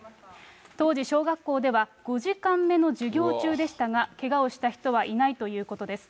当時、小学校では５時間目の授業中でしたが、けがをした人はいないということです。